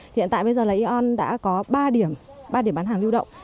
hiện tại bây giờ là yon đã có ba điểm ba điểm bán hàng lưu động